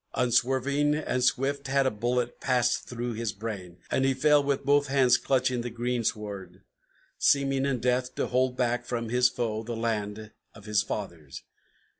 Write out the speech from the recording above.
Unswerving and swift had a bullet Passed through his brain, and he fell with both hands clutching the greensward, Seeming in death to hold back from his foe the land of his fathers.